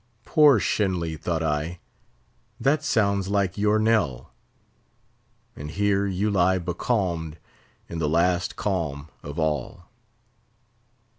Poor Shenly! thought I, that sounds like your knell! and here you lie becalmed, in the last calm of all!